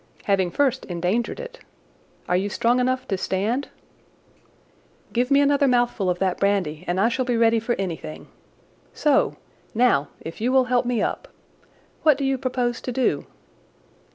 "Having first endangered it. Are you strong enough to stand?" "Give me another mouthful of that brandy and I shall be ready for anything. So! Now, if you will help me up. What do you propose to do?"